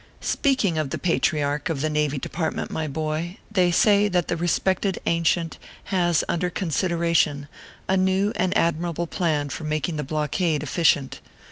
SPEAKING of the patriarch of the Navy Depart ment, my boy, they say that the respected Ancient has under consideration a new and admirable plan for making the blockade efficient.